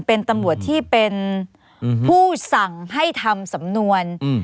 เป็นตำรวจที่เป็นผู้สั่งให้ทำสำนวน